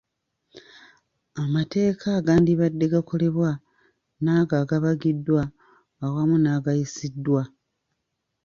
Amateeka agandibadde gakolebwa n'ago agabagiddwa awamu n'agayisiddwa